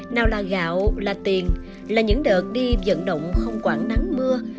nào là gạo là tiền là những đợt đi dẫn động không quảng nắng mưa